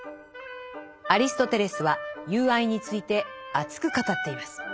アリストテレスは「友愛」について熱く語っています。